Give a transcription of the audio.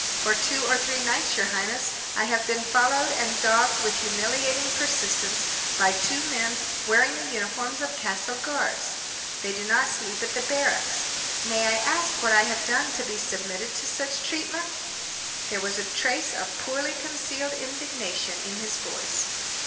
For two or three nights, your highness, I have been followed and dogged with humiliating persistence by two men wearing the uniforms of castle guards. They do not sleep at the barracks. May I ask what I have done to be submitted to such treatment?" There was a trace of poorly concealed indignation in his voice.